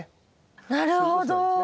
なるほど。